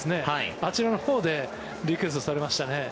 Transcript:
あちらのほうでリクエストされましたね。